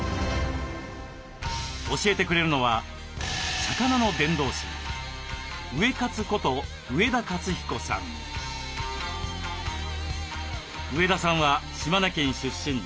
教えてくれるのは上田さんは島根県出身。